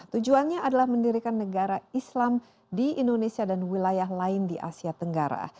tujuannya adalah mendirikan negara islam di indonesia dan wilayah lain di asia tenggara